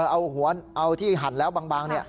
เอาที่หั่นแล้วบางเนี่ย